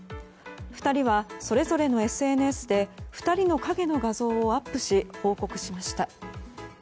２人はそれぞれのＳＮＳで２人の影の画像をアップし報告しました。